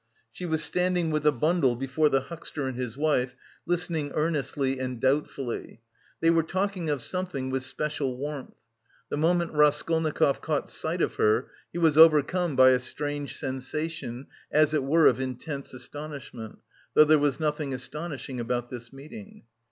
She was standing with a bundle before the huckster and his wife, listening earnestly and doubtfully. They were talking of something with special warmth. The moment Raskolnikov caught sight of her, he was overcome by a strange sensation as it were of intense astonishment, though there was nothing astonishing about this meeting.